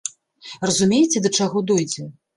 Разумееце да чаго дойдзе?!